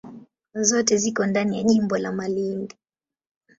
Zote ziko ndani ya jimbo la Malindi.